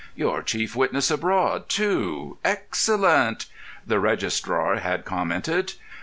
"Your chief witness abroad, too; excellent!" the registrar had commented....